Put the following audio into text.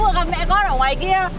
cô vừa gặp mẹ con ở ngoài kia